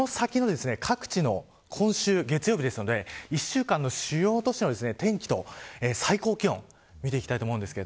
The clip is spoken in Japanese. この先の各地の今週、月曜日ですので１週間の主要都市の天気と最高気温を見ていきたいと思います。